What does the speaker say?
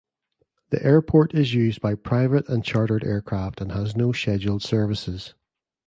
The airport is used by private and chartered aircraft and has no scheduled services.